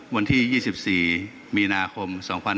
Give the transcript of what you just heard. วันที่๒๔มีนาคม๒๕๖๒